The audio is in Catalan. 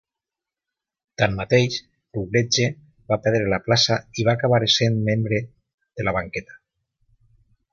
Tanmateix, Routledge va perdre la plaça i va acabar essent membre de la banqueta.